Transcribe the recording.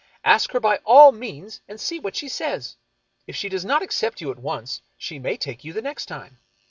Ask her, by all means, and see what she says. If she does not accept you at once, she may take you the next time.